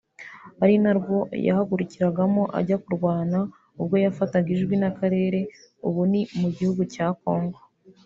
ari na rwo yahagurukiragamo ajya kurwana ubwo yafataga Ijwi na Karere ubu ni mu gihugu cya Congo